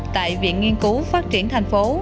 tại viện nghiên cứu phát triển thành phố